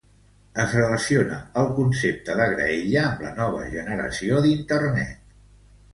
Es relaciona el concepte de graella amb la nova generació d'Internet.